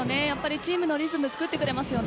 チームのリズムを作ってくれますよね。